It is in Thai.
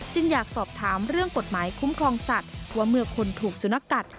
อยากสอบถามเรื่องกฎหมายคุ้มครองสัตว์ว่าเมื่อคนถูกสุนัขกัด